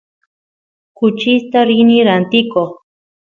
kuchista rini rantikoq